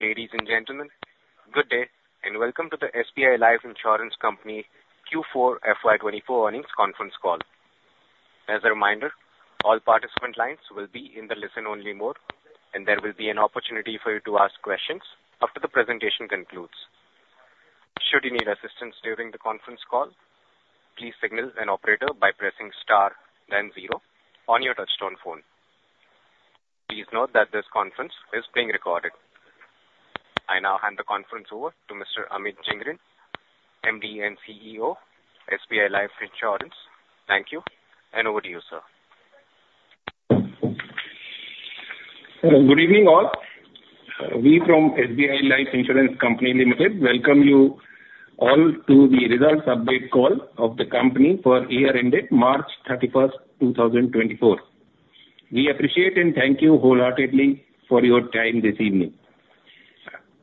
Ladies and gentlemen, good day and welcome to the SBI Life Insurance Company Q4 FY24 earnings conference call. As a reminder, all participant lines will be in the listen-only mode, and there will be an opportunity for you to ask questions after the presentation concludes. Should you need assistance during the conference call, please signal an operator by pressing Star, then zero, on your touch-tone phone. Please note that this conference is being recorded. I now hand the conference over to Mr. Amit Jhingran, MD and CEO, SBI Life Insurance. Thank you, and over to you, sir. Good evening all. We from SBI Life Insurance Company Limited welcome you all to the results update call of the company for year-ended March 31st, 2024. We appreciate and thank you wholeheartedly for your time this evening.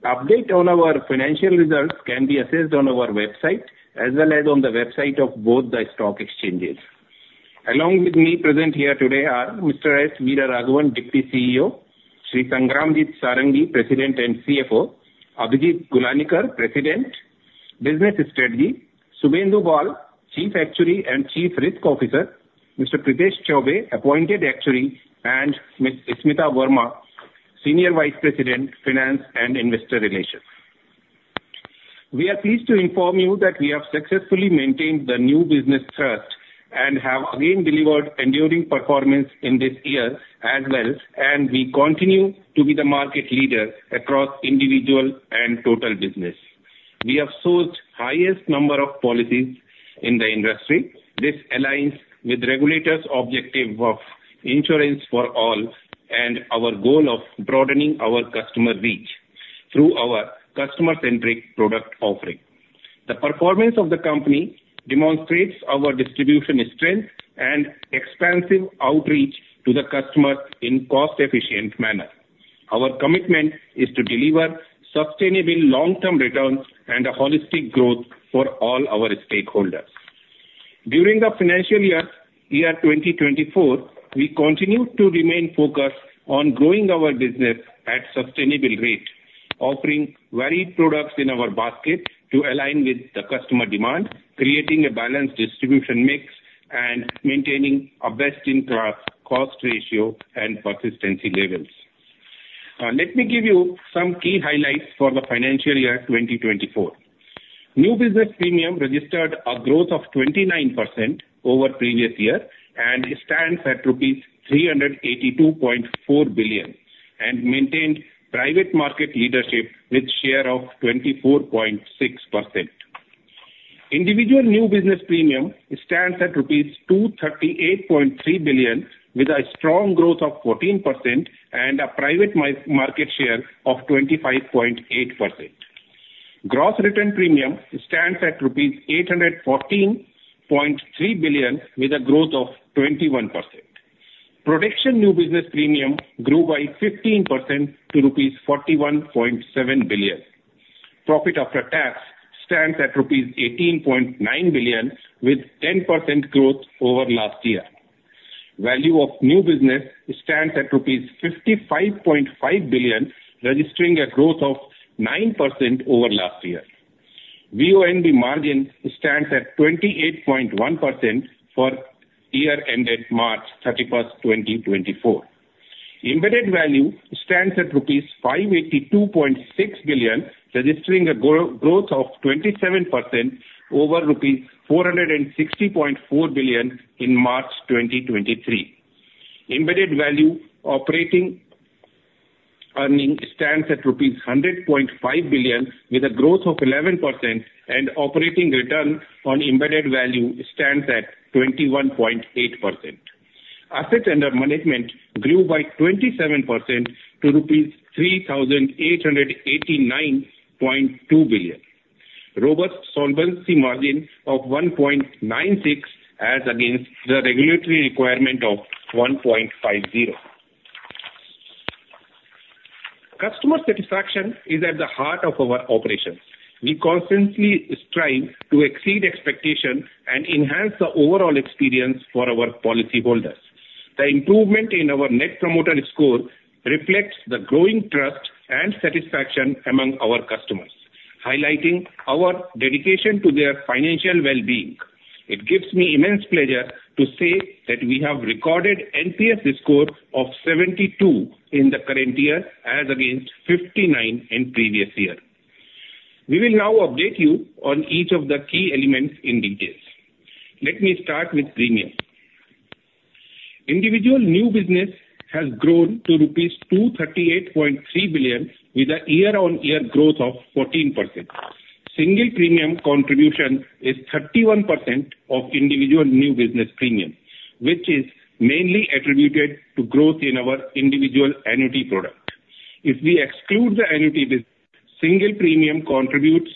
Update on our financial results can be assessed on our website as well as on the website of both the stock exchanges. Along with me present here today are Mr. S. Veeraraghavan, Deputy CEO, Sangramjit Sarangi, President and CFO, Abhijit Gulanikar, President, Business Strategy, Subhendu Bal, Chief Actuary and Chief Risk Officer, Mr. Prithesh Chaubey, Appointed Actuary, and Ms. Smita Verma, Senior Vice President, Finance and Investor Relations. We are pleased to inform you that we have successfully maintained the new business thrust and have again delivered enduring performance in this year as well, and we continue to be the market leader across individual and total business. We have sold the highest number of policies in the industry. This aligns with regulators' objective of insurance for all and our goal of broadening our customer reach through our customer-centric product offering. The performance of the company demonstrates our distribution strength and expansive outreach to the customer in a cost-efficient manner. Our commitment is to deliver sustainable long-term returns and holistic growth for all our stakeholders. During the financial year, year 2024, we continue to remain focused on growing our business at a sustainable rate, offering varied products in our basket to align with the customer demand, creating a balanced distribution mix, and maintaining a best-in-class cost ratio and persistency levels. Let me give you some key highlights for the financial year 2024. New business premium registered a growth of 29% over the previous year and stands at rupees 382.4 billion, and maintained private market leadership with a share of 24.6%. Individual new business premium stands at rupees 238.3 billion, with a strong growth of 14% and a private market share of 25.8%. Gross renewal premium stands at rupees 814.3 billion, with a growth of 21%. Protection new business premium grew by 15% to rupees 41.7 billion. Profit after tax stands at rupees 18.9 billion, with 10% growth over last year. Value of new business stands at rupees 55.5 billion, registering a growth of 9% over last year. VNB margin stands at 28.1% for year ended March 31, 2024. Embedded value stands at rupees 582.6 billion, registering a growth of 27% over rupees 460.4 billion in March 2023. Embedded value operating earnings stands at rupees 100.5 billion, with a growth of 11%, and operating return on embedded value stands at 21.8%. Assets under management grew by 27% to rupees 3,889.2 billion. Robust solvency margin of 1.96% as against the regulatory requirement of 1.50%. Customer satisfaction is at the heart of our operations. We constantly strive to exceed expectations and enhance the overall experience for our policyholders. The improvement in our net promoter score reflects the growing trust and satisfaction among our customers, highlighting our dedication to their financial well-being. It gives me immense pleasure to say that we have recorded an NPS score of 72 in the current year as against 59 in the previous year. We will now update you on each of the key elements in detail. Let me start with premium. Individual new business has grown to rupees 238.3 billion, with a year-on-year growth of 14%. Single premium contribution is 31% of individual new business premium, which is mainly attributed to growth in our individual annuity product. If we exclude the annuity business, single premium contributes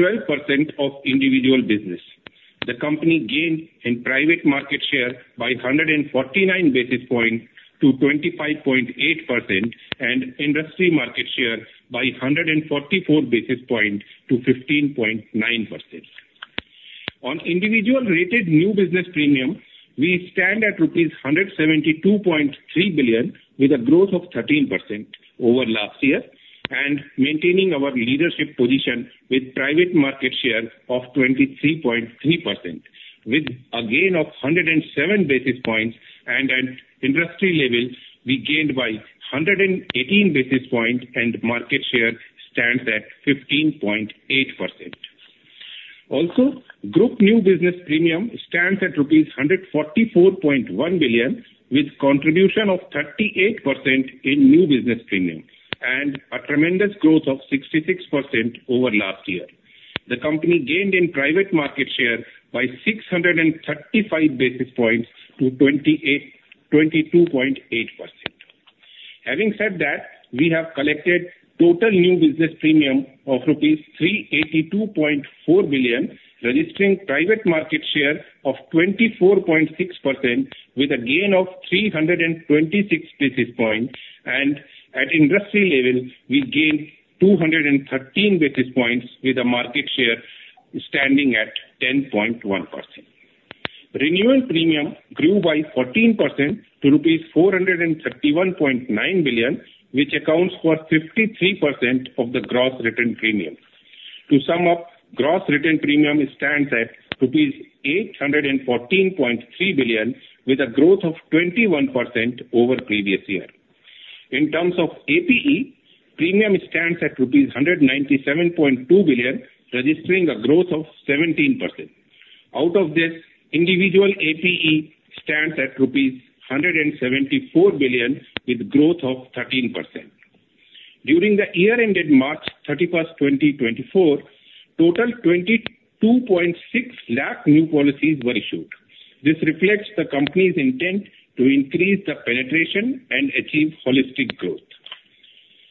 12% of individual business. The company gained in private market share by 149 basis points to 25.8%, and industry market share by 144 basis points to 15.9%. On individual rated new business premium, we stand at rupees 172.3 billion, with a growth of 13% over last year and maintaining our leadership position with private market share of 23.3%. With a gain of 107 basis points and an industry level we gained by 118 basis points, market share stands at 15.8%. Also, group new business premium stands at rupees 144.1 billion, with a contribution of 38% in new business premium and a tremendous growth of 66% over last year. The company gained in private market share by 635 basis points to 22.8%. Having said that, we have collected total new business premium of rupees 382.4 billion, registering private market share of 24.6%, with a gain of 326 basis points. And at industry level, we gained 213 basis points, with a market share standing at 10.1%. Renewal premium grew by 14% to rupees 431.9 billion, which accounts for 53% of the gross written premium. To sum up, gross written premium stands at rupees 814.3 billion, with a growth of 21% over the previous year. In terms of APE, premium stands at rupees 197.2 billion, registering a growth of 17%. Out of this, individual APE stands at rupees 174 billion, with a growth of 13%. During the year ended, March 31st, 2024, a total of 22.6 lakh new policies were issued. This reflects the company's intent to increase penetration and achieve holistic growth.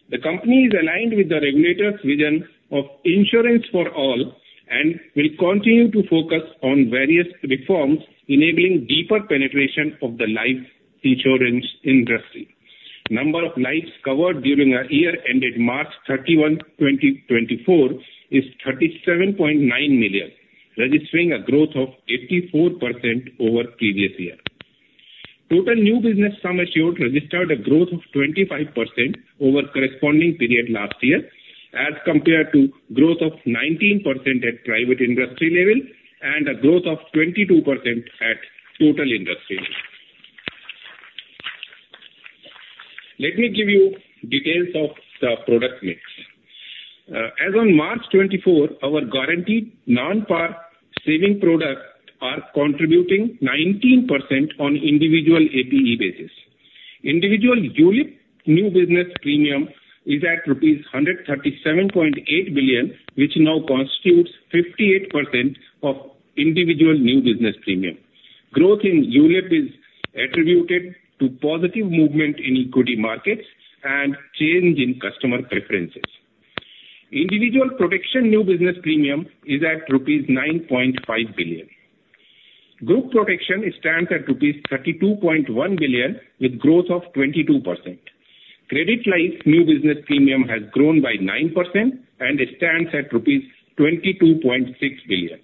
The company is aligned with the regulators' vision of insurance for all and will continue to focus on various reforms enabling deeper penetration of the life insurance industry. The number of lives covered during the year ended March 31, 2024, is 37.9 million, registering a growth of 84% over the previous year. Total new business Sum Assured registered a growth of 25% over the corresponding period last year as compared to a growth of 19% at the private industry level and a growth of 22% at the total industry level. Let me give you details of the product mix. As on March 24, our guaranteed Non-PAR savings products are contributing 19% on an individual APE basis. Individual ULIP new business premium is at rupees 137.8 billion, which now constitutes 58% of Individual new business premium. Growth in ULIP is attributed to positive movement in equity markets and change in customer preferences. Individual Protection new business premium is at rupees 9.5 billion. Group Protection stands at rupees 32.1 billion, with a growth of 22%. Credit Life new business premium has grown by 9% and stands at rupees 22.6 billion.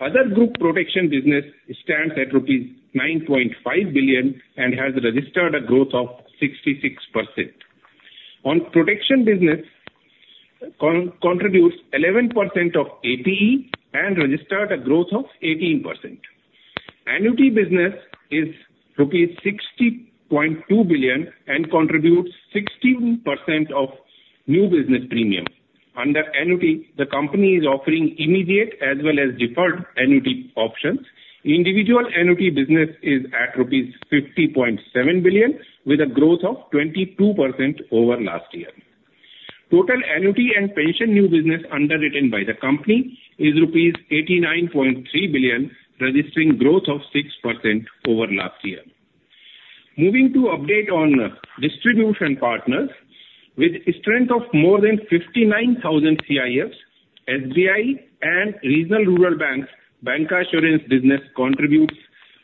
Other group protection business stands at rupees 9.5 billion and has registered a growth of 66%. On Protection business, it contributes 11% of APE and registered a growth of 18%. Annuity business is rupees 60.2 billion and contributes 16% of new business premium. Under annuity, the company is offering immediate as well as deferred annuity options. Individual annuity business is at INR 50.7 billion, with a growth of 22% over last year. Total annuity and pension new business underwritten by the company is rupees 89.3 billion, registering a growth of 6% over last year. Moving to an update on distribution partners, with a strength of more than 59,000 CIFs, SBI and Regional Rural Banks' bancassurance business contributes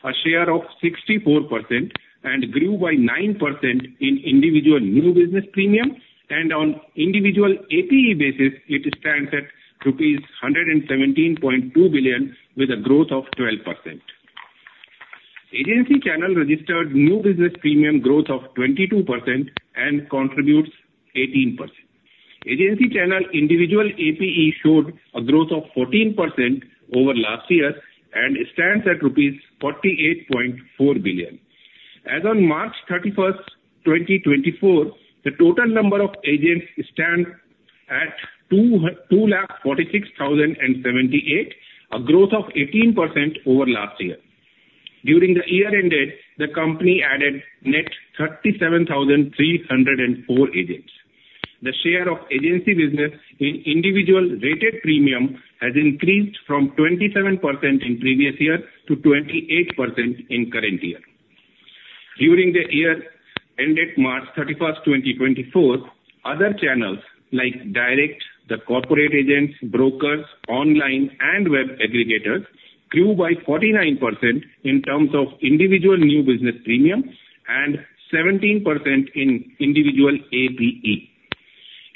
a share of 64% and grew by 9% in Individual new business premium. On an individual APE basis, it stands at rupees 117.2 billion, with a growth of 12%. Agency channel registered new business premium growth of 22% and contributes 18%. Agency channel individual APE showed a growth of 14% over last year and stands at rupees 48.4 billion. As on March 31st, 2024, the total number of agents stands at 246,078, a growth of 18% over last year. During the year ended, the company added net 37,304 agents. The share of agency business in individual rated premium has increased from 27% in the previous year to 28% in the current year. During the year-ended March 31st, 2024, other channels like direct, the corporate agents, brokers, online, and web aggregators grew by 49% in terms of individual new business premium and 17% in individual APE.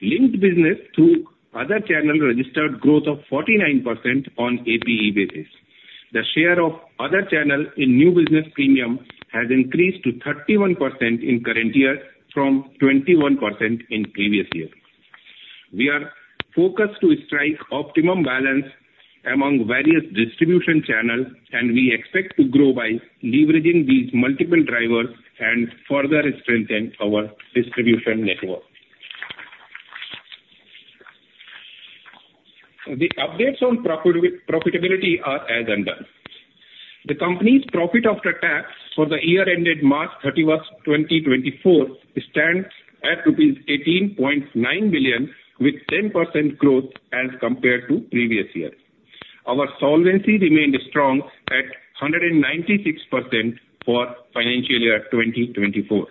Linked business through other channels registered a growth of 49% on an APE basis. The share of other channels in new business premium has increased to 31% in the current year from 21% in the previous year. We are focused to strike optimum balance among various distribution channels, and we expect to grow by leveraging these multiple drivers and further strengthening our distribution network. The updates on profitability are as under. The company's profit after tax for the year-ended March 31st, 2024, stands at rupees 18.9 billion, with 10% growth as compared to the previous year. Our solvency remained strong at 196% for the financial year 2024.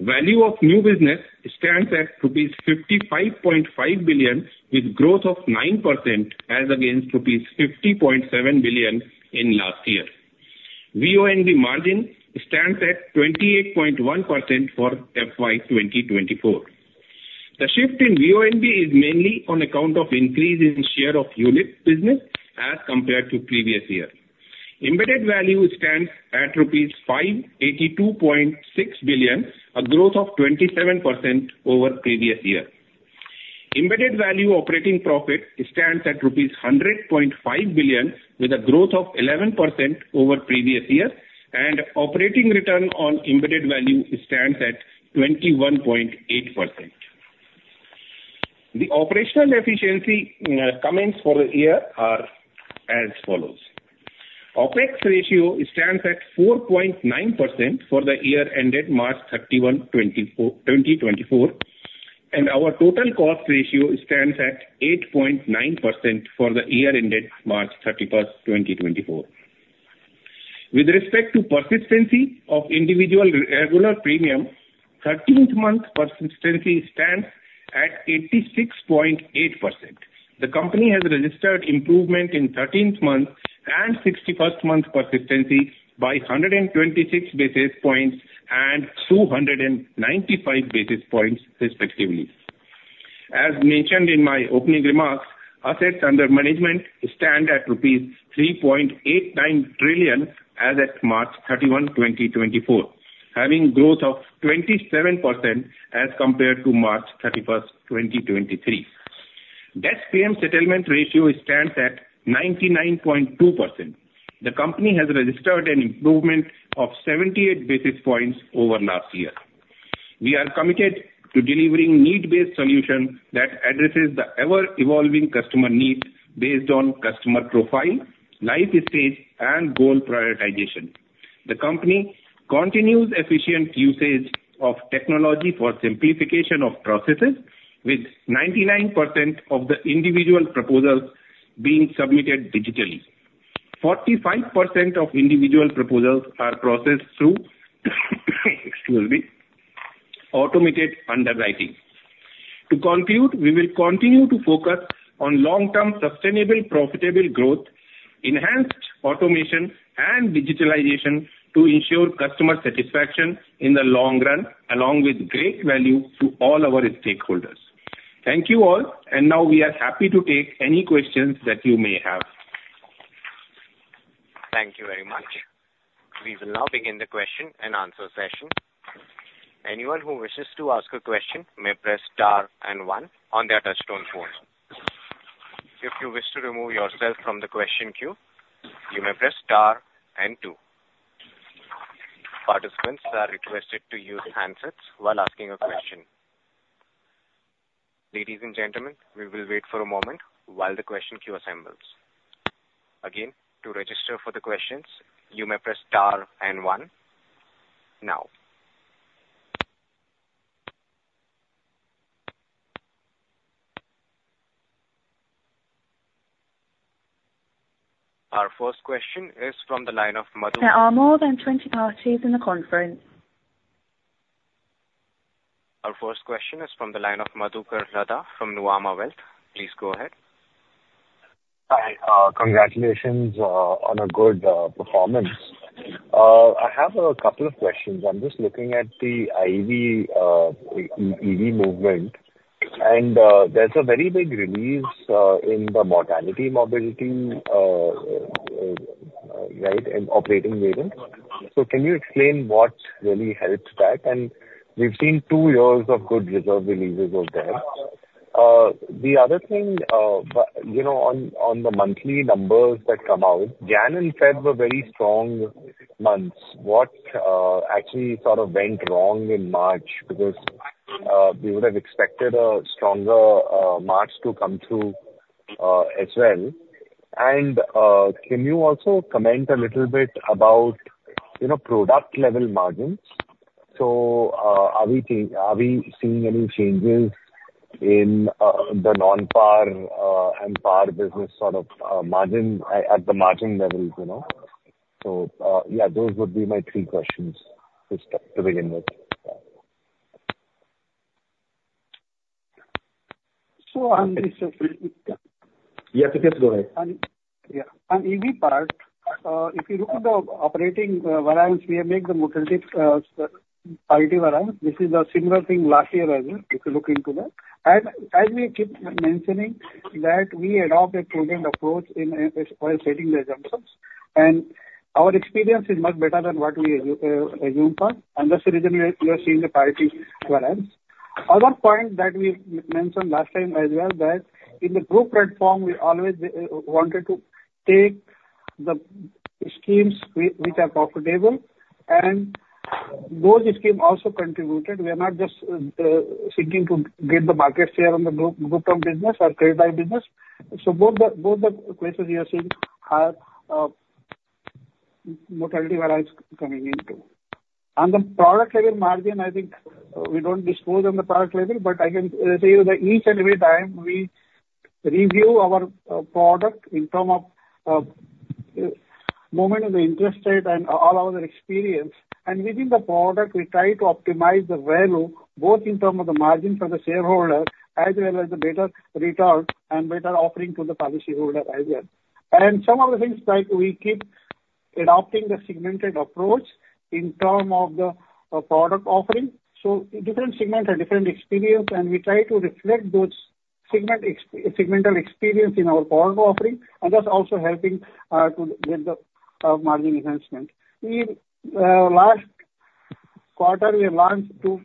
Value of new business stands at rupees 55.5 billion, with a growth of 9% as against rupees 50.7 billion in last year. VONB margin stands at 28.1% for FY 2024. The shift in VONB is mainly on account of an increase in the share of ULIP business as compared to the previous year. Embedded value stands at rupees 582.6 billion, a growth of 27% over the previous year. Embedded value operating profit stands at rupees 100.5 billion, with a growth of 11% over the previous year, and operating return on embedded value stands at 21.8%. The operational efficiency comments for the year are as follows. OpEx ratio stands at 4.9% for the year ended March 31, 2024, and our total cost ratio stands at 8.9% for the year-ended March 31st, 2024. With respect to the persistency of individual regular premium, the 13th month persistency stands at 86.8%. The company has registered improvement in the 13th month and the 61st month persistency by 126 basis points and 295 basis points, respectively. As mentioned in my opening remarks, assets under management stand at rupees 3.89 trillion as of March 31, 2024, having a growth of 27% as compared to March 31st, 2023. Death Claim settlement ratio stands at 99.2%. The company has registered an improvement of 78 basis points over last year. We are committed to delivering need-based solutions that address the ever-evolving customer needs based on customer profile, life stage, and goal prioritization. The company continues efficient usage of technology for simplification of processes, with 99% of the individual proposals being submitted digitally. 45% of individual proposals are processed through, excuse me, automated underwriting. To conclude, we will continue to focus on long-term sustainable profitable growth, enhanced automation, and digitalization to ensure customer satisfaction in the long run, along with great value to all our stakeholders. Thank you all, and now we are happy to take any questions that you may have. Thank you very much. We will now begin the question and answer session. Anyone who wishes to ask a question may press Star and one on their touch-tone phone. If you wish to remove yourself from the question queue, you may press Star and two. Participants are requested to use handsets while asking a question. Ladies and gentlemen, we will wait for a moment while the question queue assembles. Again, to register for the questions, you may press Star and one now. Our first question is from the line of Madhu. Our first question is from the line of Madhukar Ladha from Nuvama Wealth. Please go ahead. Hi. Congratulations on a good performance. I have a couple of questions. I'm just looking at the EV movement, and there's a very big release in the mortality and morbidity, right, and operating variances. So can you explain what really helped that? We've seen two years of good reserve releases over there. The other thing, on the monthly numbers that come out, January and February were very strong months. What actually sort of went wrong in March? Because we would have expected a stronger March to come through as well. Can you also comment a little bit about product-level margins? So are we seeing any changes in the Non-PAR and PAR business sort of margin at the margin levels? Yeah, those would be my three questions to begin with. I'm Mr. Yeah, Prithesh, go ahead. Yeah. On the EV part, if you look at the operating variances, we have made the mortality variance. This is a similar thing last year as well. If you look into that. And as we keep mentioning that we adopt a prudent approach while setting the assumptions, and our experience is much better than what we assumed for, and that's the reason you are seeing the mortality variances. Other point that we mentioned last time as well is that in the group platform, we always wanted to take the schemes which are profitable, and those schemes also contributed. We are not just seeking to get the market share on the group-owned business or credit-type business. So both the places you are seeing are mortality variances coming into. On the product-level margin, I think we don't disclose the product level, but I can tell you that each and every time, we review our product in terms of the movement of the interest rate and all our experience. Within the product, we try to optimize the value both in terms of the margin for the shareholder as well as the better return and better offering to the policyholder as well. Some of the things are like we keep adopting the segmented approach in terms of the product offering. Different segments have different experiences, and we try to reflect those segmental experiences in our product offering and that's also helping to get the margin enhancement. Last quarter, we launched two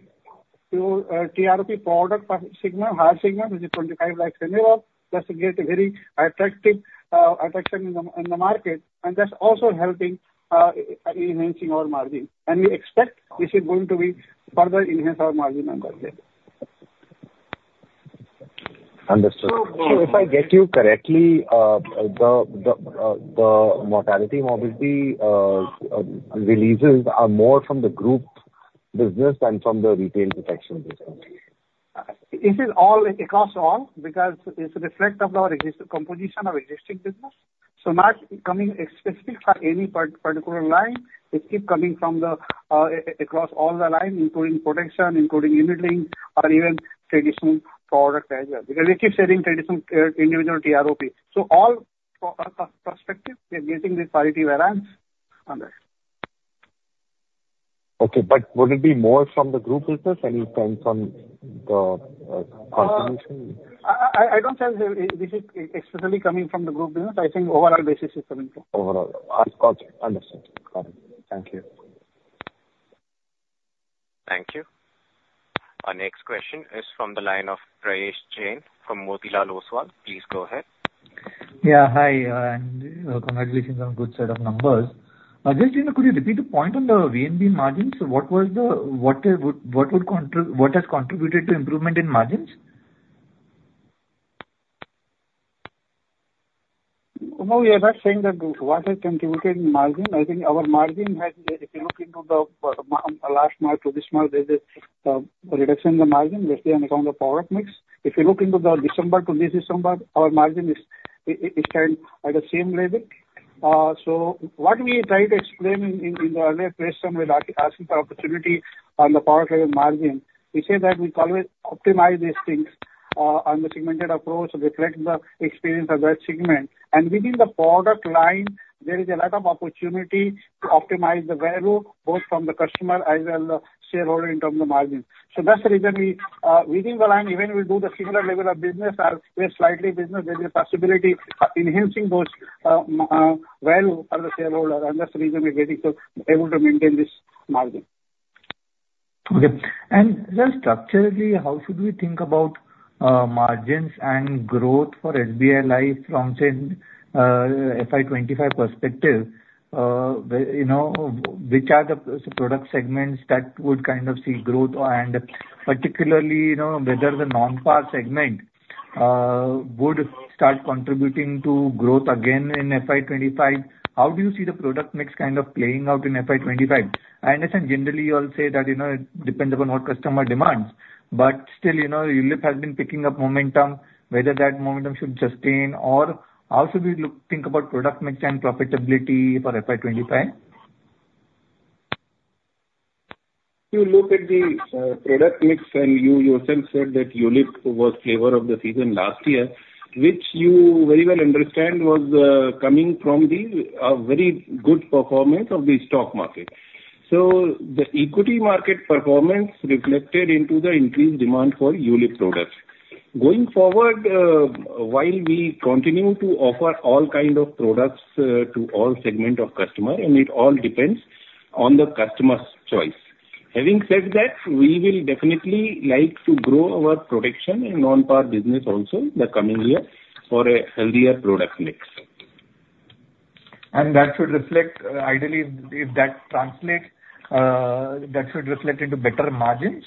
TROP product segments, high segments, which is INR 25 lakh and above. That's getting a very attractive traction in the market, and that's also helping enhance our margin. We expect this is going to further enhance our margin under there. Understood. So if I get you correctly, the mortality and morbidity releases are more from the group business than from the retail protection business? This is all across all because it's a reflection of our composition of existing business. So, not specific for any particular line. It keeps coming across all the lines, including protection, including unit-linked, or even traditional product as well. Because we keep selling traditional individual TROP. So, all perspectives, we are getting this various variants under. Okay. But would it be more from the group business, any sense on the contribution? I don't think this is explicitly coming from the group business. I think overall basis, it's coming from. Overall. I got it. Understood. Got it. Thank you. Thank you. Our next question is from the line of Prayesh Jain from Motilal Oswal. Please go ahead. Yeah. Hi, and congratulations on a good set of numbers. Just could you repeat the point on the VNB margins? What has contributed to improvement in margins? No, we are not saying that what has contributed in margin. I think our margin has if you look into last March to this March, there's a reduction in the margin, especially on account of the product mix. If you look into December to this December, our margin is at the same level. So what we try to explain in the earlier question when asking for opportunity on the product-level margin, we say that we always optimize these things on the segmented approach, reflect the experience of that segment. And within the product line, there is a lot of opportunity to optimize the value both from the customer as well as the shareholder in terms of margins. So that's the reason we within the line, even we do the similar level of business, we are slightly business. There is a possibility of enhancing those values for the shareholder, and that's the reason we are able to maintain this margin. Okay. And just structurally, how should we think about margins and growth for SBI Life from FY 2025 perspective? Which are the product segments that would kind of see growth, and particularly whether the non-PAR segment would start contributing to growth again in FY 2025? How do you see the product mix kind of playing out in FY 2025? I understand generally you all say that it depends upon what customer demands, but still, ULIP has been picking up momentum. Whether that momentum should sustain, or how should we think about product mix and profitability for FY 2025? If you look at the product mix, and you yourself said that ULIP was flavor of the season last year, which you very well understand was coming from a very good performance of the stock market. So the equity market performance reflected into the increased demand for ULIP products. Going forward, while we continue to offer all kinds of products to all segments of customers, and it all depends on the customer's choice. Having said that, we will definitely like to grow our protection and Non-PAR business also in the coming year for a healthier product mix. That should reflect ideally, if that translates, that should reflect into better margins?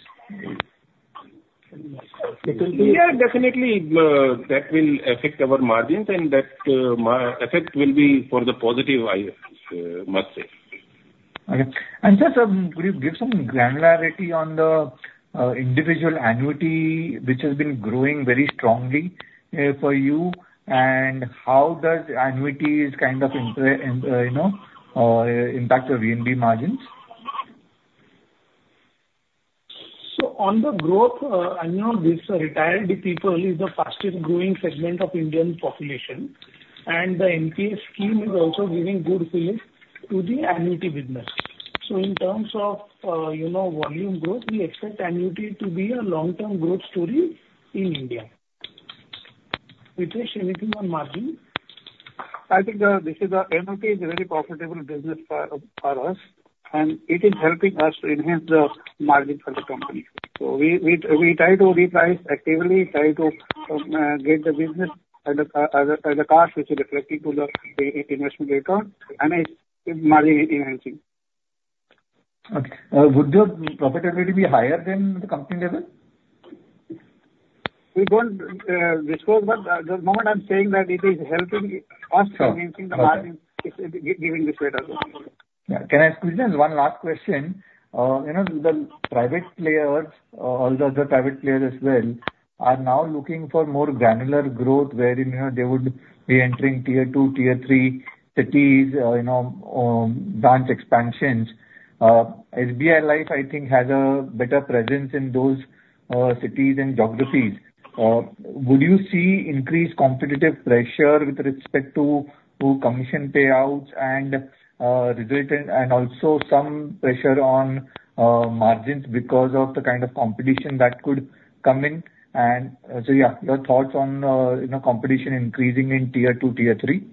Yeah, definitely. That will affect our margins, and that effect will be for the positive, I must say. Okay. And just could you give some granularity on the individual annuity, which has been growing very strongly for you, and how does annuities kind of impact the VNB margins? So on the growth, this retired people is the fastest growing segment of the Indian population, and the NPS scheme is also giving good feelings to the annuity business. So in terms of volume growth, we expect annuity to be a long-term growth story in India. Prithesh, anything on margin? I think this is a very profitable business for us, and it is helping us to enhance the margin for the company. We try to reprice actively, try to get the business at a cost which is reflecting to the investment return, and it's margin enhancing. Okay. Would the profitability be higher than the company level? We don't disclose, but the moment I'm saying that it is helping us to enhance the margin, it's giving this better growth. Yeah. Can I ask one last question? The private players, all the other private players as well, are now looking for more granular growth wherein they would be entering Tier 2, Tier 3 cities, branch expansions. SBI Life, I think, has a better presence in those cities and geographies. Would you see increased competitive pressure with respect to commission payouts and also some pressure on margins because of the kind of competition that could come in? And so yeah, your thoughts on competition increasing in Tier 2, Tier 3?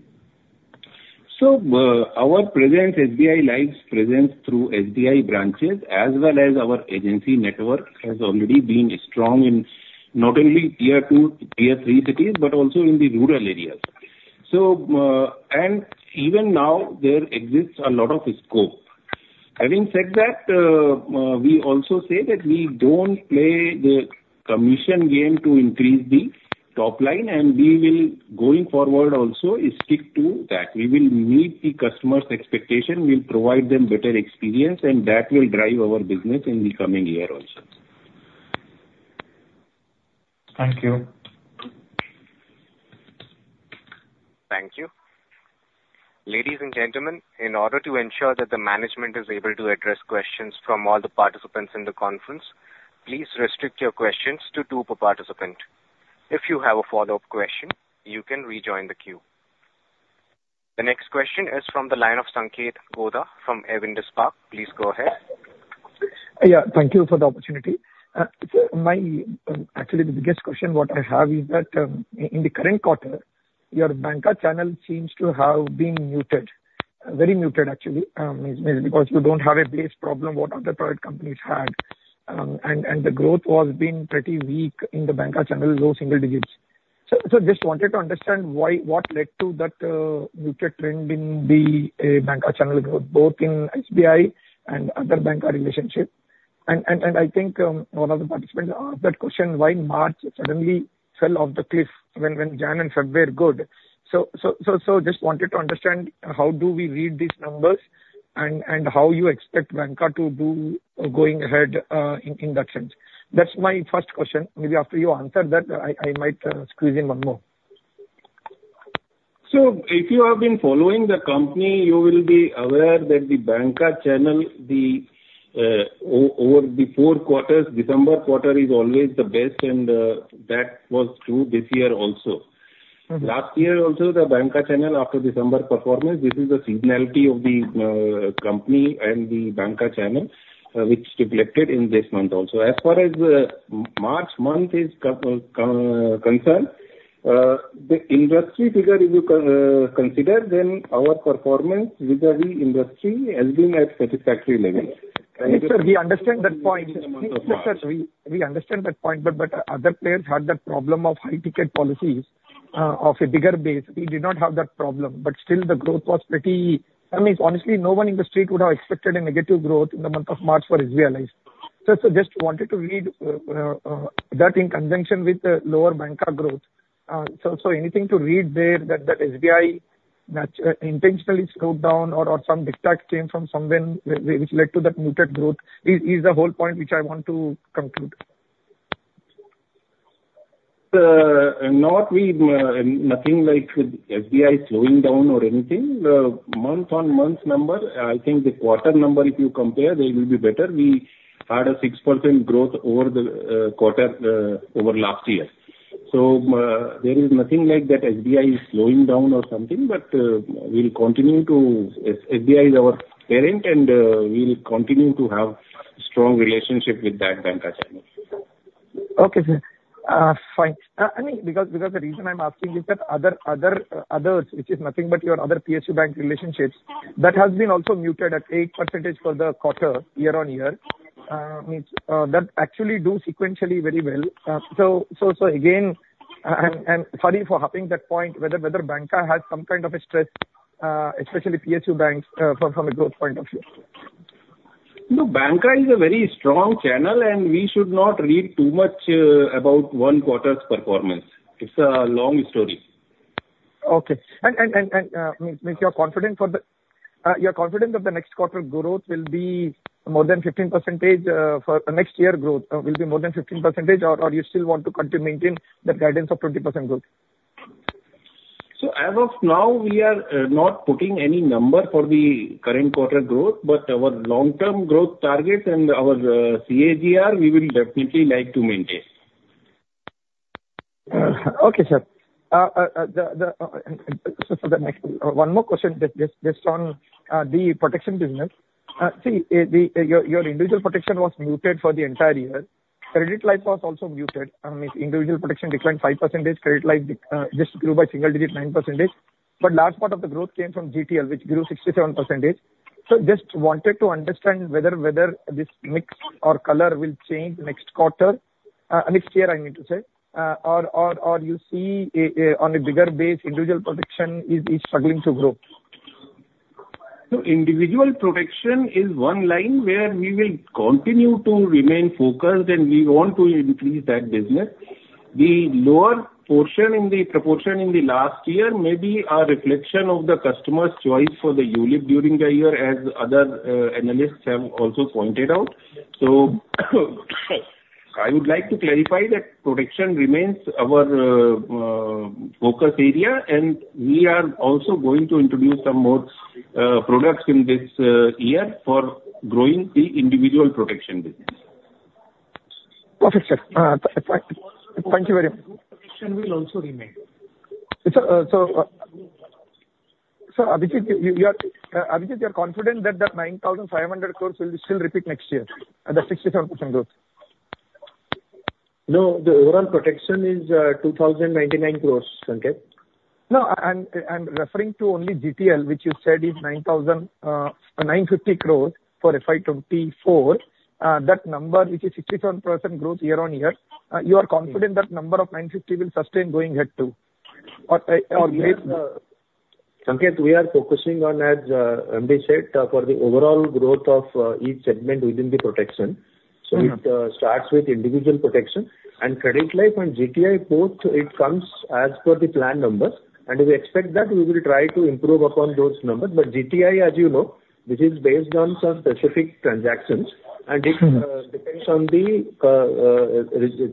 Our presence, SBI Life's presence through SBI branches as well as our agency network has already been strong in not only Tier 2, Tier3 cities but also in the rural areas. Even now, there exists a lot of scope. Having said that, we also say that we don't play the commission game to increase the top line, and we will, going forward also, stick to that. We will meet the customer's expectation. We'll provide them better experience, and that will drive our business in the coming year also. Thank you. Thank you. Ladies and gentlemen, in order to ensure that the management is able to address questions from all the participants in the conference, please restrict your questions to two per participant. If you have a follow-up question, you can rejoin the queue. The next question is from the line of Sanketh Godha from Avendus Spark. Please go ahead. Yeah. Thank you for the opportunity. Actually, the biggest question what I have is that in the current quarter, your bancassurance channel seems to have been muted, very muted actually, because you don't have a base problem what other private companies had. And the growth was being pretty weak in the bancassurance channel, low-single-digits. So I just wanted to understand what led to that muted trend in the bancassurance channel growth, both in SBI and other bancassurance relationships. And I think one of the participants asked that question, "Why March suddenly fell off the cliff when January and February are good?" So I just wanted to understand how do we read these numbers and how you expect bancassurance to do going ahead in that sense. That's my first question. Maybe after you answer that, I might squeeze in one more. So if you have been following the company, you will be aware that the Banca channel over the four quarters, December quarter is always the best, and that was true this year also. Last year also, the Banca channel after December performance, this is the seasonality of the company and the Banca channel which reflected in this month also. As far as March month is concerned, the industry figure, if you consider, then our performance with the industry has been at satisfactory levels. Yes, sir. We understand that point. Yes, sir. We understand that point. But other players had that problem of high-ticket policies of a bigger base. We did not have that problem, but still, the growth was pretty, I mean, honestly, no one in the street would have expected a negative growth in the month of March for SBI Life. So I just wanted to read that in conjunction with the lower Banca growth. So anything to read there that SBI intentionally slowed down or some big tax came from somewhere which led to that muted growth is the whole point which I want to conclude. Not nothing like SBI slowing down or anything. Month-on-month number, I think the quarter number, if you compare, they will be better. We had a 6% growth over the quarter over last year. So there is nothing like that SBI is slowing down or something, but we'll continue to SBI is our parent, and we'll continue to have a strong relationship with that Banca channel. Okay, sir. Fine. I mean, because the reason I'm asking is that others, which is nothing but your other PSU bank relationships, that has been also muted at 8% for the quarter, year-on-year. That actually do sequentially very well. So again, and sorry for hopping that point, whether Banca has some kind of a stress, especially PSU banks from a growth point of view. No, Banca is a very strong channel, and we should not read too much about one quarter's performance. It's a long story. Okay. And make you confident that the next quarter growth will be more than 15% for next year growth will be more than 15%, or you still want to maintain that guidance of 20% growth? As of now, we are not putting any number for the current quarter growth, but our long-term growth targets and our CAGR, we will definitely like to maintain. Okay, sir. So for the next one more question just on the Protection business. See, your individual protection was muted for the entire year. Credit Life was also muted. I mean, individual protection declined 5%. Credit Life just grew by single-digit 9%. But last part of the growth came from GTL, which grew 67%. So I just wanted to understand whether this mix or color will change next quarter, next year, I need to say, or you see on a bigger base, individual protection is struggling to grow. Individual protection is one line where we will continue to remain focused, and we want to increase that business. The lower proportion in the last year may be a reflection of the customer's choice for the ULIP during the year, as other analysts have also pointed out. I would like to clarify that protection remains our focus area, and we are also going to introduce some more products in this year for growing the individual protection business. Perfect, sir. Thank you very much. Protection will also remain. So, Abhijit, you are confident that that 9,500 crore will still repeat next year at that 67% growth? No, the overall protection is 2,099 crore, Sanketh. No, I'm referring to only GTL, which you said is 9,500 crore for FY 2024. That number, which is 67% growth year-over-year, you are confident that number of 9,500 crore will sustain going ahead too? Sanketh, we are focusing on, as Amit said, for the overall growth of each segment within the protection. So it starts with individual protection. And Credit Life and GTI, both, it comes as per the plan numbers. And we expect that we will try to improve upon those numbers. But GTI, as you know, this is based on some specific transactions, and it depends on the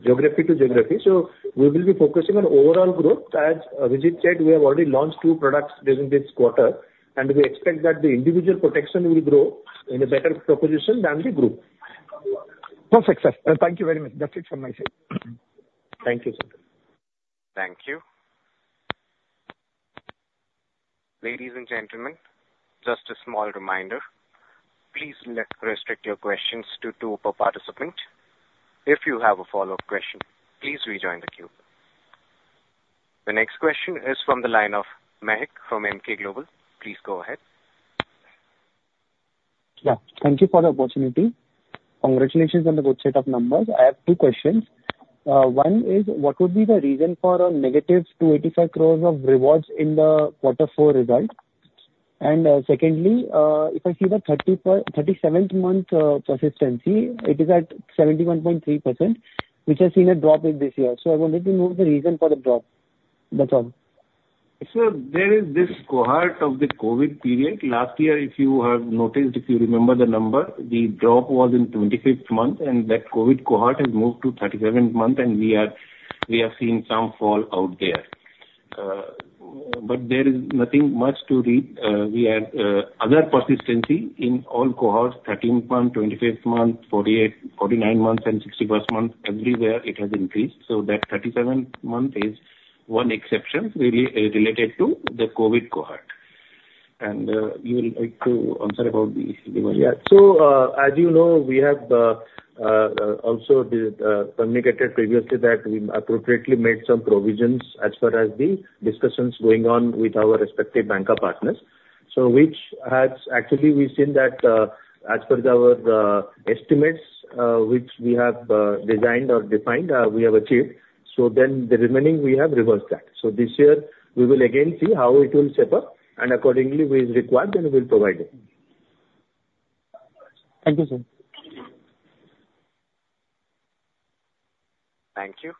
geography to geography. So we will be focusing on overall growth. As Abhijit said, we have already launched two products during this quarter, and we expect that the individual protection will grow in a better proposition than the group. Perfect, sir. Thank you very much. That's it from my side. Thank you, sir. Thank you. Ladies and gentlemen, just a small reminder. Please restrict your questions to two per participant. If you have a follow-up question, please rejoin the queue. The next question is from the line of Mahek from Emkay Global. Please go ahead. Yeah. Thank you for the opportunity. Congratulations on the good set of numbers. I have two questions. One is, what would be the reason for a -285 crore of rewards in the quarter four result? And secondly, if I see the 37th month persistency, it is at 71.3%, which has seen a drop in this year. So I wanted to know the reason for the drop. That's all. Sir, there is this cohort of the COVID period. Last year, if you have noticed, if you remember the number, the drop was in 25th month, and that COVID cohort has moved to 37th month, and we have seen some fall out there. But there is nothing much to read. We have other persistency in all cohorts, 13th month, 25th month, 49th month, and 61st month. Everywhere, it has increased. So that 37th month is one exception related to the COVID cohort. And you would like to answer about the rewards? Yeah. So as you know, we have also communicated previously that we appropriately made some provisions as far as the discussions going on with our respective Banca partners, which actually, we've seen that as per our estimates, which we have designed or defined, we have achieved. So then the remaining, we have reversed that. So this year, we will again see how it will set up, and accordingly, which is required, then we'll provide it. Thank you, sir. Thank you.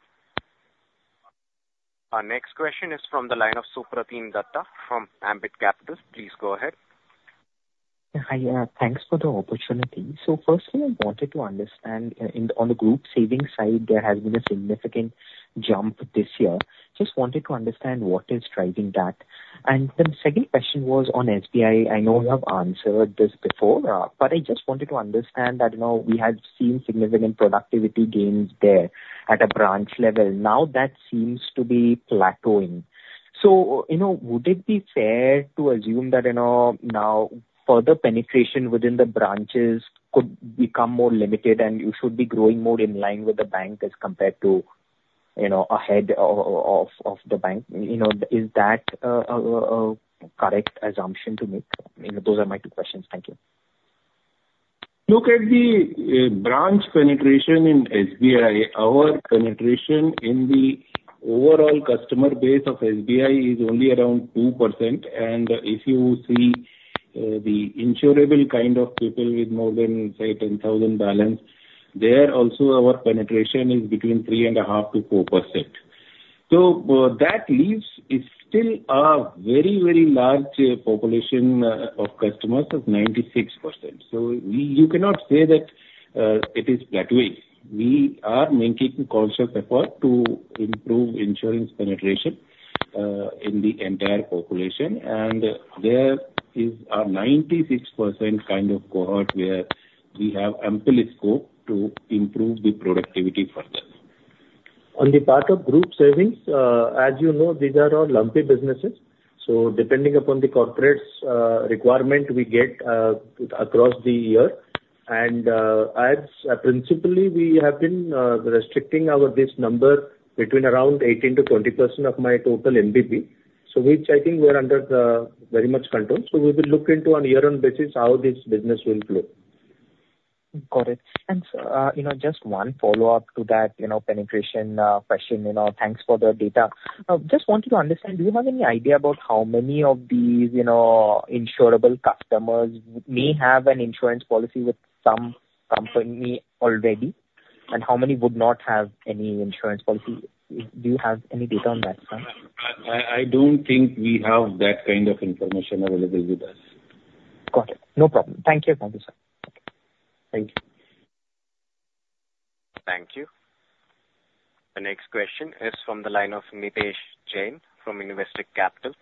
Our next question is from the line of Supratim Datta from Ambit Capital. Please go ahead. Thanks for the opportunity. So firstly, I wanted to understand on the group savings side, there has been a significant jump this year. Just wanted to understand what is driving that. And the second question was on SBI. I know you have answered this before, but I just wanted to understand that we had seen significant productivity gains there at a branch level. Now, that seems to be plateauing. So would it be fair to assume that now further penetration within the branches could become more limited, and you should be growing more in line with the bank as compared to ahead of the bank? Is that a correct assumption to make? Those are my two questions. Thank you. Look at the branch penetration in SBI. Our penetration in the overall customer base of SBI is only around 2%. And if you see the insurable kind of people with more than, say, 10,000 balance, there also, our penetration is between 3.5%-4%. So that leaves still a very, very large population of customers of 96%. So you cannot say that it is plateauing. We are making conscious effort to improve insurance penetration in the entire population. And there is a 96% kind of cohort where we have ample scope to improve the productivity further. On the part of group savings, as you know, these are all lumpy businesses. So depending upon the corporate's requirement, we get across the year. Principally, we have been restricting this number between around 18%-20% of my total MVP, which I think we are under very much control. So we will look into on a year-on-year basis how this business will flow. Got it. And just one follow-up to that penetration question. Thanks for the data. Just wanted to understand, do you have any idea about how many of these insurable customers may have an insurance policy with some company already, and how many would not have any insurance policy? Do you have any data on that, sir? I don't think we have that kind of information available with us. Got it. No problem. Thank you. Thank you, sir. Thank you. Thank you. The next question is from the line of Nitesh Jain from Investec.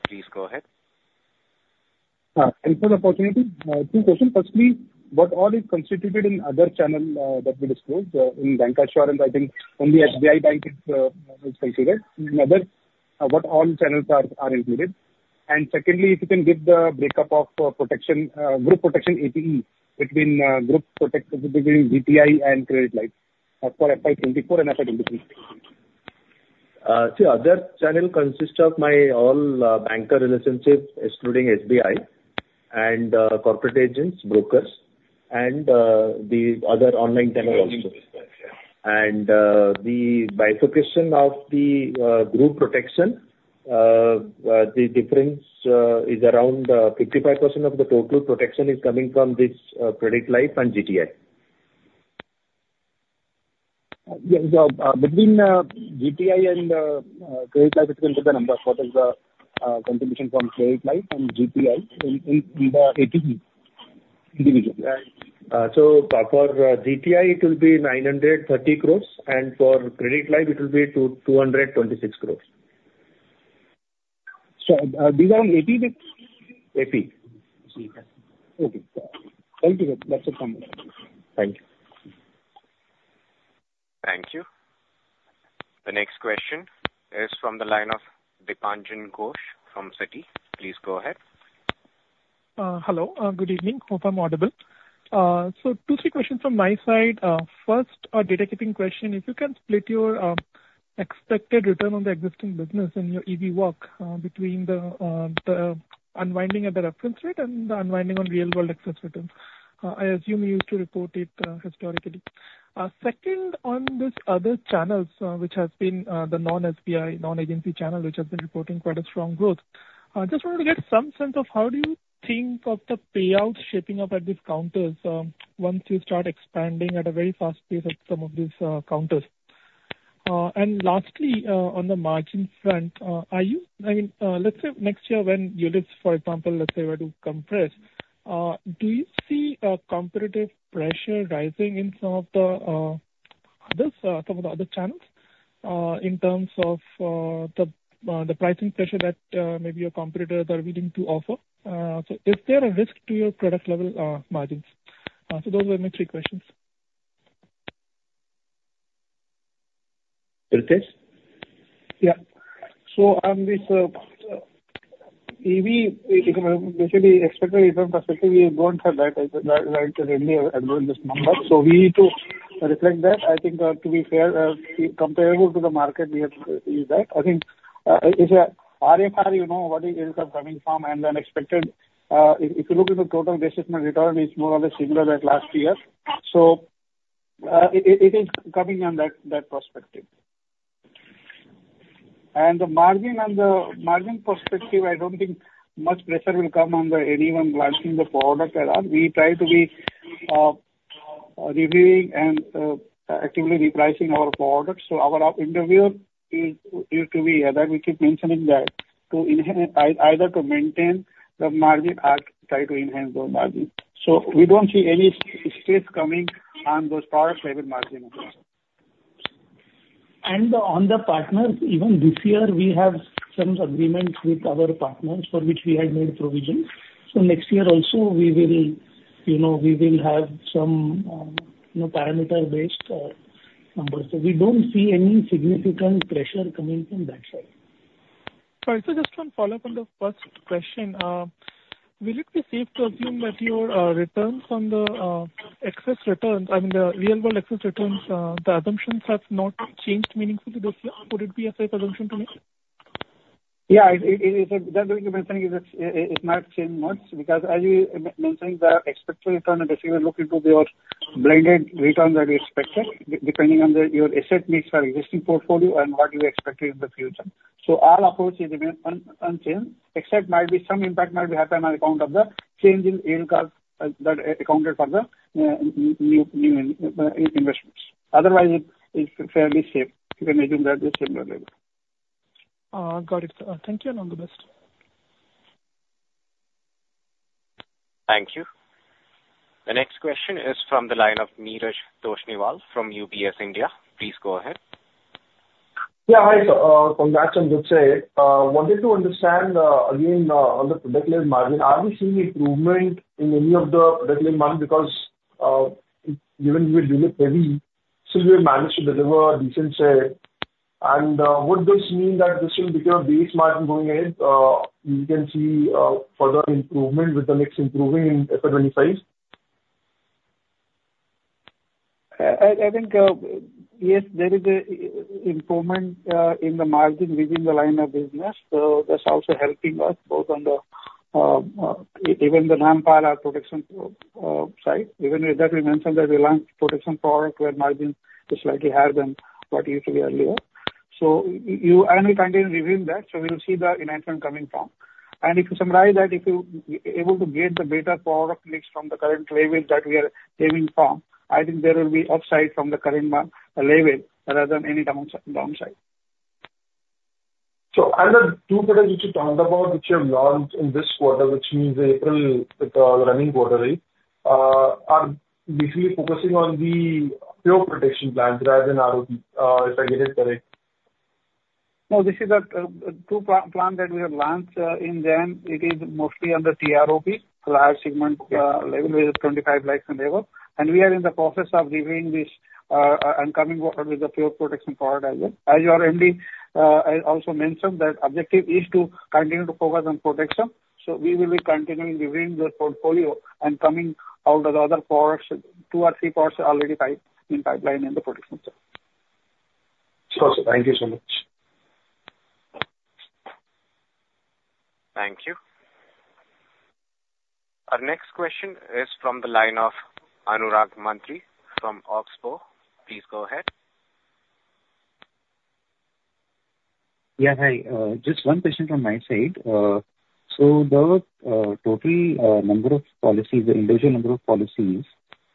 Please go ahead. Thanks for the opportunity. Two questions. Firstly, what all is constituted in other channels that we disclosed? In Bancassurance, I think only SBI Bank is considered. What all channels are included? And secondly, if you can give the breakup of group protection APE between GTI and Credit Life for FY 2024 and FY 2025. See, other channel consists of my all Banca relationships, excluding SBI and corporate agents, brokers, and the other online channel also. The bifurcation of the group protection, the difference is around 55% of the total protection is coming from this Credit Life and GTI. Between GTI and Credit Life, if you can give the number, what is the contribution from Credit Life and GTI in the APE individually? for GTI, it will be 930 crores, and for Credit Life, it will be 226 crores. So these are on APE? APE. Okay. Thank you, sir. That's it from me. Thank you. Thank you. The next question is from the line of Dipanjan Ghosh from Citi. Please go ahead. Hello. Good evening. Hope I'm audible. So 2, 3 questions from my side. First, a data-keeping question. If you can split your expected return on the existing business in your EV work between the unwinding at the reference rate and the unwinding on real-world asset returns. I assume you used to report it historically. Second, on these other channels, which has been the non-SBI, non-agency channel, which has been reporting quite a strong growth, I just wanted to get some sense of how do you think of the payouts shaping up at these counters once you start expanding at a very fast pace at some of these counters? And lastly, on the margin front, I mean, let's say next year when ULIP, for example, let's say were to compress, do you see a competitive pressure rising in some of the other channels in terms of the pricing pressure that maybe your competitors are willing to offer? So is there a risk to your product-level margins? So those were my three questions. Prithesh? Yeah. So on this EV, basically, expected return perspective, we don't have that right to really advertise this number. So we need to reflect that. I think, to be fair, comparable to the market, we have used that. I think if you RFR, you know what it is coming from, and then expected if you look into total disaggregated return, it's more or less similar to last year. So it is coming on that perspective. And the margin perspective, I don't think much pressure will come on anyone launching the product at all. We try to be reviewing and actively repricing our products. So our endeavor is to be that we keep mentioning that either to maintain the margin or try to enhance those margins. So we don't see any stress coming on those product-level margins. On the partners, even this year, we have some agreements with our partners for which we had made provisions. Next year also, we will have some parameter-based numbers. We don't see any significant pressure coming from that side. Sorry. So just one follow-up on the first question. Will it be safe to assume that your returns on the asset returns I mean, the real-world asset returns, the assumptions have not changed meaningfully this year? Would it be a safe assumption to make? Yeah. What you're mentioning is it might change much because, as you mentioned, the expected return basically look into your blended return that you expected depending on your asset mix for existing portfolio and what you expected in the future. So our approach is unchanged, except some impact might be happening on account of the change in yield curves that accounted for the new investments. Otherwise, it's fairly safe. You can assume that it's similar level. Got it, sir. Thank you and all the best. Thank you. The next question is from the line of Neeraj Toshniwal from UBS India. Please go ahead. Yeah. Hi, sir. Congrats on your trade. Wanted to understand, again, on the product-level margin, are we seeing improvement in any of the product-level margin because, given we were dealing heavy, still we have managed to deliver a decent sale? And would this mean that this will become a base margin going ahead? We can see further improvement with the mix improving in FY 2025? I think, yes, there is improvement in the margin within the line of business. So that's also helping us both on the even the Non-PAR protection side. Even with that, we mentioned that we launched protection product where margin is slightly higher than what it used to be earlier. So I will continue reviewing that. So we'll see the enhancement coming from. And if you summarize that, if you're able to get the better product mix from the current level that we are aiming from, I think there will be upside from the current level rather than any downside. So, other two products which you talked about, which you have launched in this quarter, which means April, the running quarter, are basically focusing on the pure protection plans rather than ROP, if I get it correct. No, this is a two-plant that we have launched in there. It is mostly under TROP, large segment level with 25 lakhs and above. We are in the process of reviewing this upcoming quarter with the pure protection product as well. As your MD also mentioned, that objective is to continue to focus on protection. We will be continuing reviewing the portfolio and coming out of the other products, 2 or 3 products already in pipeline in the protection sector. Sure, sir. Thank you so much. Thank you. Our next question is from the line of Anurag Mantri from Old Bridge. Please go ahead. Yeah. Hi. Just one question from my side. So the total number of policies, the individual number of policies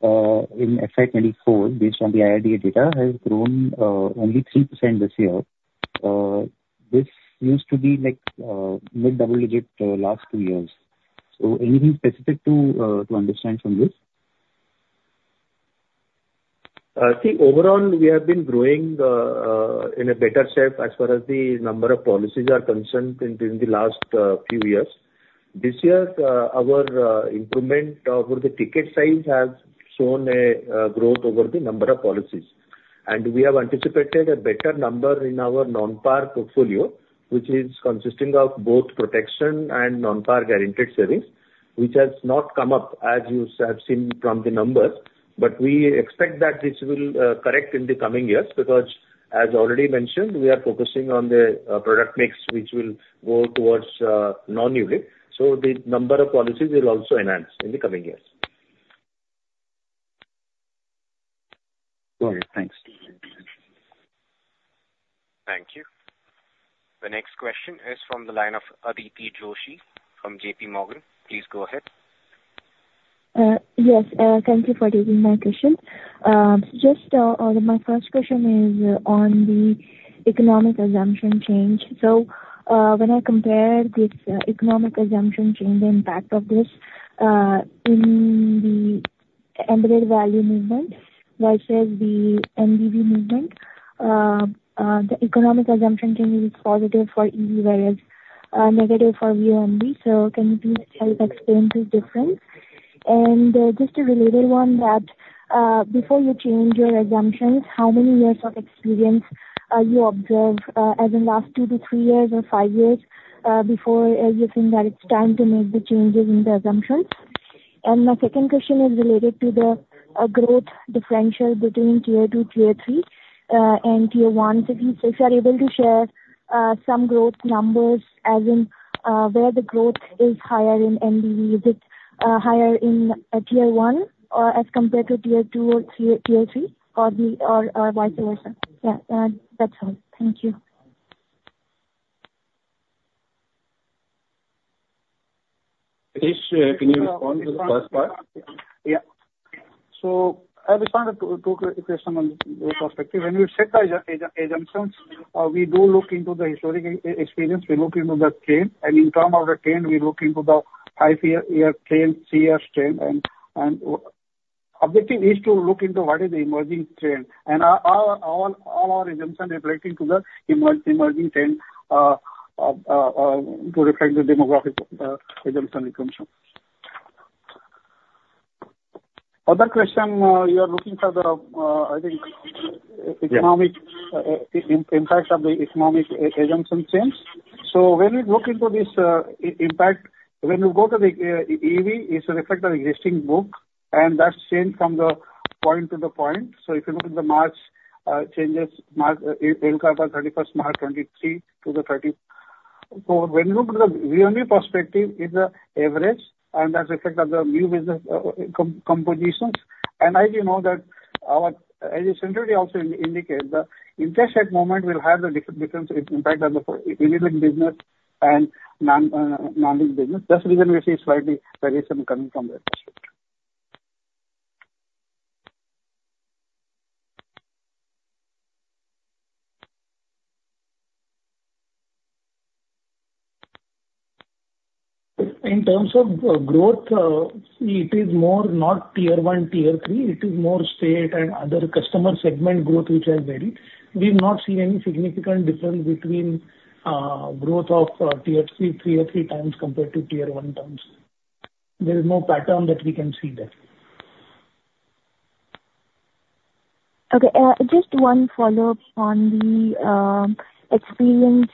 in FY 2024, based on the IRDA data, has grown only 3% this year. This used to be mid-double-digit last two years. So anything specific to understand from this? I think overall, we have been growing in a better shape as far as the number of policies are concerned within the last few years. This year, our improvement over the ticket size has shown a growth over the number of policies. And we have anticipated a better number in our Non-PAR portfolio, which is consisting of both protection and Non-PAR guaranteed savings, which has not come up as you have seen from the numbers. But we expect that this will correct in the coming years because, as already mentioned, we are focusing on the product mix, which will go towards non-ULIP. So the number of policies will also enhance in the coming years. Got it. Thanks. Thank you. The next question is from the line of Aditi Joshi from JPMorgan. Please go ahead. Yes. Thank you for taking my question. So just my first question is on the economic assumption change. So when I compare this economic assumption change, the impact of this in the embedded value movement versus the VNB movement, the economic assumption change is positive for EV whereas negative for VNB. So can you please help explain this difference? And just a related one that before you change your assumptions, how many years of experience you observe as in last 2-3 years or 5 years before you think that it's time to make the changes in the assumptions? And my second question is related to the growth differential between Tier 2, Tier 3, and Tier 1. If you are able to share some growth numbers as in where the growth is higher in MVP, is it higher in Tier 1 as compared to Tier 2 or Tier 3 or vice versa? Yeah. That's all. Thank you. Prithesh, can you respond to the first part? Yeah. So I responded to two questions on this perspective. When we set the assumptions, we do look into the historic experience. We look into the trend. And in terms of the trend, we look into the 5-year trend, 3-year trend. And objective is to look into what is the emerging trend. And all our assumptions reflect into the emerging trend to reflect the demographic assumptions. Other question, you are looking for the, I think, impact of the economic assumption change. So when we look into this impact, when we go to the EV, it's a reflect of existing book, and that's changed from the point to the point. So if you look at the March changes, yield curves are 31st March 2023 to the 30th. So when you look at the VNB perspective, it's an average, and that's reflected on the new business compositions. As you know, as you said, it also indicates the interest rate movement will have a different impact on the unit-linked business and non-linked business. That's the reason we see slight variation coming from that perspective. In terms of growth, it is more not Tier 1, Tier 3. It is more state and other customer segment growth, which has varied. We have not seen any significant difference between growth of Tier 3or three times compared to Tier 1 times. There is no pattern that we can see there. Okay. Just one follow-up on the experience.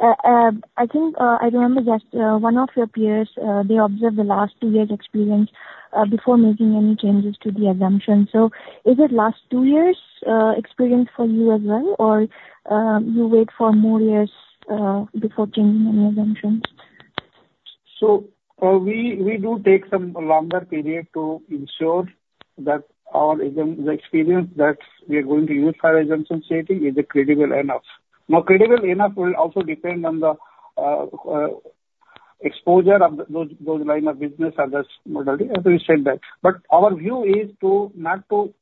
I remember just one of your peers, they observed the last two years' experience before making any changes to the assumptions. Is it last two years' experience for you as well, or you wait for more years before changing any assumptions? We do take some longer period to ensure that the experience that we are going to use for assumption setting is credible enough. Now, credible enough will also depend on the exposure of those line of business or those modalities, as we said that. But our view is not to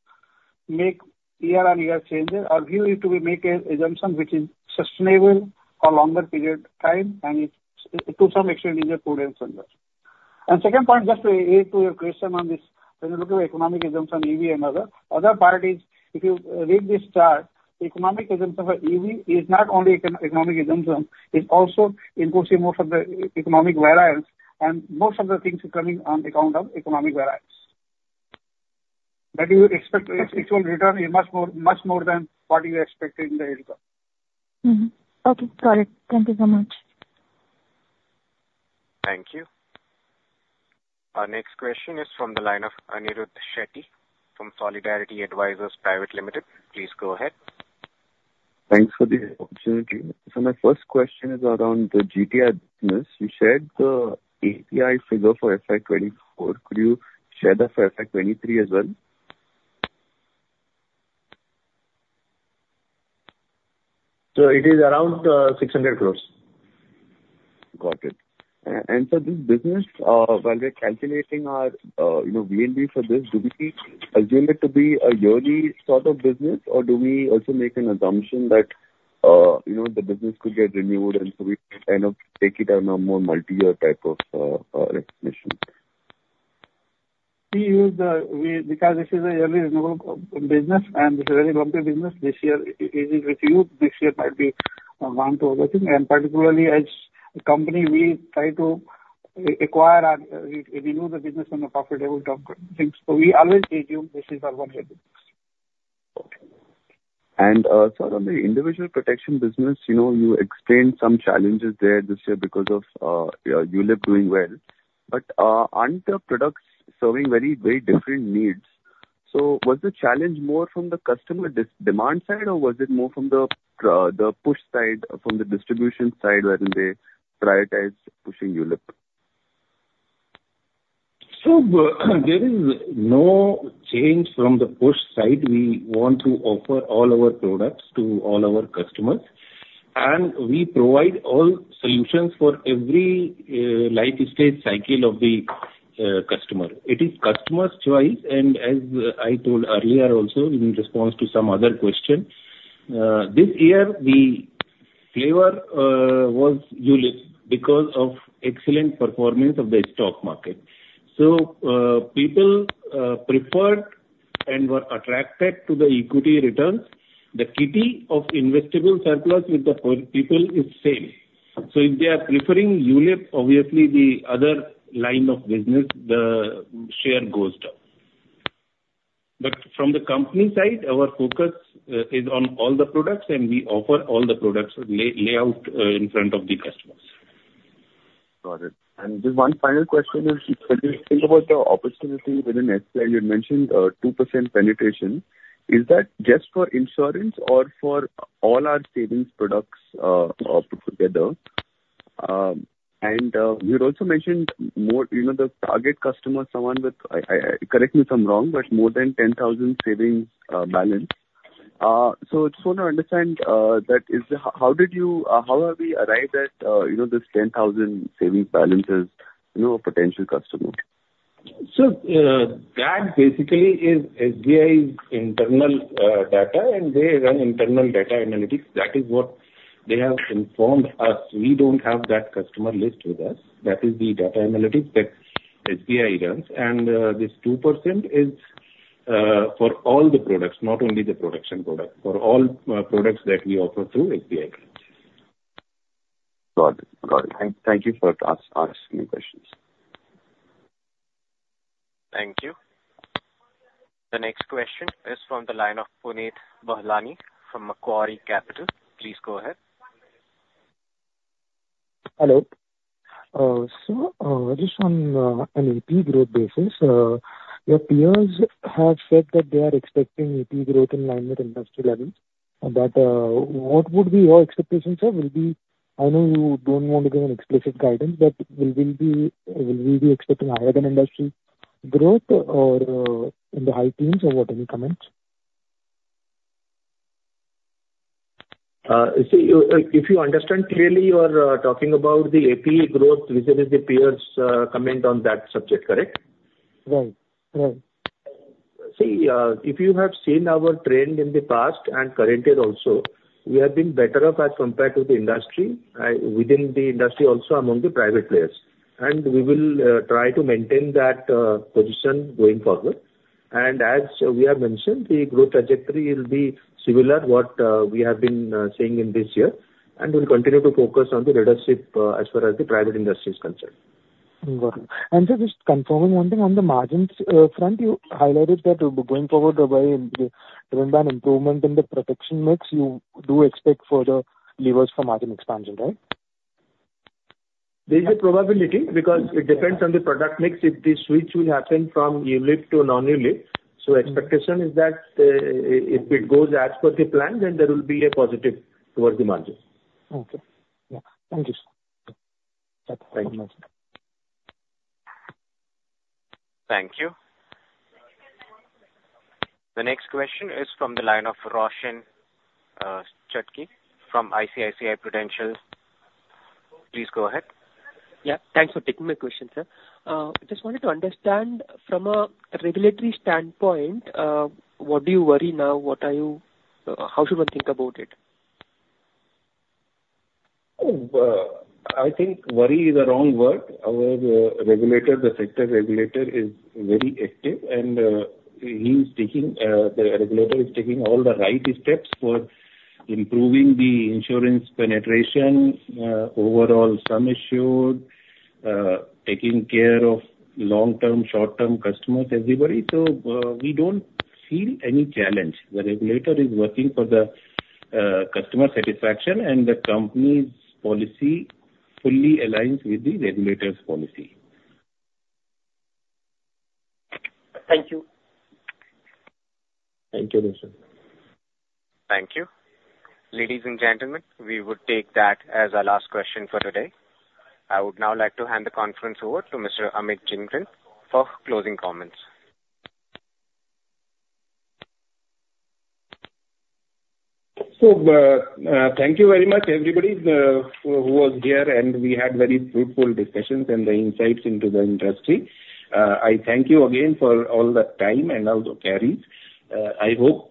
make year-on-year changes. Our view is to make an assumption which is sustainable for a longer period of time, and to some extent, it is prudent as well. Second point, just to add to your question on this, when you look at economic assumptions, EV and other, other part is, if you read this chart, economic assumption for EV is not only economic assumption. It's also imposing most of the economic variance, and most of the things are coming on account of economic variance. That you expect actual return is much more than what you expected in the yield curve. Okay. Got it. Thank you so much. Thank you. Our next question is from the line of Anirudh Shetty from Solidarity Advisors Pvt Ltd. Please go ahead. Thanks for the opportunity. My first question is around the GTI business. You shared the APE figure for FY 2024. Could you share that for FY 2023 as well? It is around 600 crore. Got it. For this business, while we're calculating our VNB for this, do we assume it to be a yearly sort of business, or do we also make an assumption that the business could get renewed, and so we kind of take it on a more multi-year type of explanation? Because this is a yearly renewable business, and it's a very bumpy business. This year, it is renewed. Next year, it might be one or other things. Particularly, as a company, we try to acquire and renew the business on a profitable terms of things. So we always assume this is our one-year business. Okay. Sort of the individual protection business, you explained some challenges there this year because of ULIP doing well. But the products serving very, very different needs, so was the challenge more from the customer demand side, or was it more from the push side, from the distribution side when they prioritize pushing ULIP? There is no change from the push side. We want to offer all our products to all our customers. We provide all solutions for every life stage cycle of the customer. It is customer's choice. As I told earlier also in response to some other question, this year, the flavor was ULIP because of excellent performance of the stock market. People preferred and were attracted to the equity returns. The kitty of investable surplus with the people is same. If they are preferring ULIP, obviously, the other line of business, the share goes down. But from the company side, our focus is on all the products, and we offer all the products layout in front of the customers. Got it. And just one final question is, when you think about the opportunity within SBI, you had mentioned 2% penetration. Is that just for insurance or for all our savings products put together? And you had also mentioned the target customer, someone with, correct me if I'm wrong, but more than 10,000 savings balance. So I just want to understand that, how have we arrived at this 10,000 savings balance as a potential customer? That basically is SBI's internal data, and they run internal data analytics. That is what they have informed us. We don't have that customer list with us. That is the data analytics that SBI runs. And this 2% is for all the products, not only the protection products, for all products that we offer through SBI. Got it. Got it. Thank you for asking me questions. Thank you. The next question is from the line of Punit Bahlani from Macquarie Capital. Please go ahead. Hello. So just on an APE growth basis, your peers have said that they are expecting APE growth in line with industry levels. But what would be your expectations, sir? I know you don't want to give an explicit guidance, but will we be expecting higher-than-industry growth in the high teens or what? Any comments? See, if you understand clearly, you are talking about the APE growth vis-à-vis the peers' comment on that subject, correct? Right. Right. See, if you have seen our trend in the past and current year also, we have been better off as compared to the industry within the industry also among the private players. We will try to maintain that position going forward. As we have mentioned, the growth trajectory will be similar to what we have been saying in this year and will continue to focus on the leadership as far as the private industry is concerned. Got it. Just confirming one thing, on the margins front, you highlighted that going forward by trendline improvement in the protection mix, you do expect further levers for margin expansion, right? There is a probability because it depends on the product mix if the switch will happen from ULIP to non-ULIP. So expectation is that if it goes as per the plan, then there will be a positive towards the margins. Okay. Yeah. Thank you. Thank you very much. Thank you. The next question is from the line of Roshan Chutkey from ICICI Prudential. Please go ahead. Yeah. Thanks for taking my question, sir. I just wanted to understand, from a regulatory standpoint, what do you worry now? How should one think about it? I think worry is the wrong word. Our regulator, the sector regulator, is very active, and the regulator is taking all the right steps for improving the insurance penetration, overall sum assured, taking care of long-term, short-term customers, everybody. So we don't feel any challenge. The regulator is working for the customer satisfaction, and the company's policy fully aligns with the regulator's policy. Thank you. Thank you, Roshan. Thank you. Ladies and gentlemen, we would take that as our last question for today. I would now like to hand the conference over to Mr. Amit Jhingran for closing comments. Thank you very much, everybody, who was here, and we had very fruitful discussions and the insights into the industry. I thank you again for all the time and also queries. I hope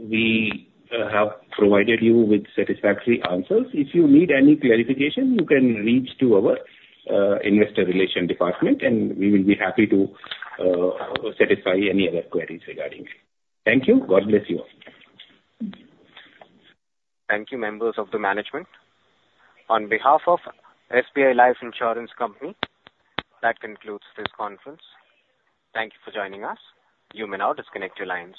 we have provided you with satisfactory answers. If you need any clarification, you can reach our investor relations department, and we will be happy to satisfy any other queries regarding it. Thank you. God bless you all. Thank you, members of the management. On behalf of SBI Life Insurance Company, that concludes this conference. Thank you for joining us. You may now disconnect your lines.